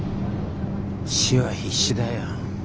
市は必死だよ。